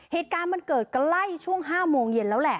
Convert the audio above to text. เหตุการณ์มันเกิดใกล้ช่วง๕โมงเย็นแล้วแหละ